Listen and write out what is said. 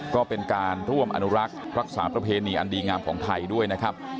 ก็เป็นการร่วมอนุรักษ์รักษาประเพณีอันดีงามของไทยด้วยนะครับ